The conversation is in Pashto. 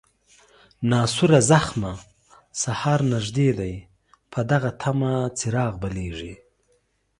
ناسوره زخمه، سهار نژدې دی په دغه طمه، چراغ بلیږي